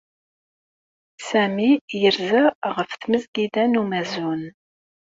Sami yerza ɣef Tmesgida n Umazun.